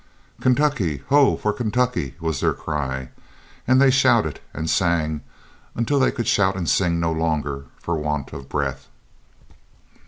"Kentucky! Ho, for Kentucky!" was their cry, and they shouted and sang until they could shout and sing no longer for want of breath.